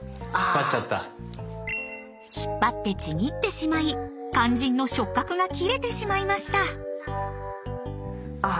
引っ張ってちぎってしまい肝心の触角が切れてしまいました。